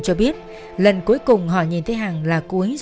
quê quán nam định